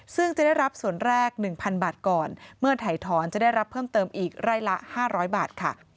ซึ่งจะได้รับส่วนแรก๑๐๐๐บาทก่อนเมื่อถ่ายถอนจะได้รับเพิ่มเติมอีกไร่ละ๕๐๐บาทค่ะ